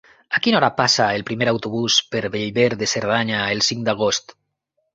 A quina hora passa el primer autobús per Bellver de Cerdanya el cinc d'agost?